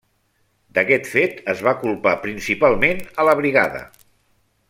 D'aquest fet es va culpar principalment a la brigada.